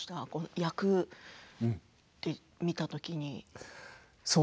役で見たときに。